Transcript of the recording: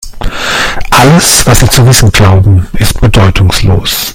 Alles, was Sie zu wissen glauben, ist bedeutungslos.